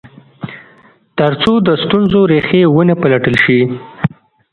تر څو د ستونزو ریښې و نه پلټل شي.